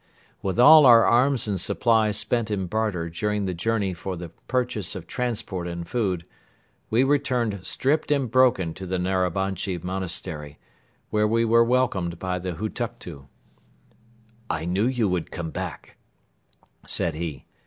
With all our arms and supplies spent in barter during the journey for the purchase of transport and food, we returned stripped and broken to the Narabanchi Monastery, where we were welcomed by the Hutuktu. "I knew you would come back," said he.